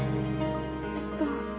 えっと